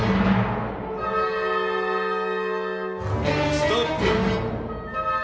ストップ。